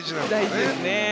大事ですね。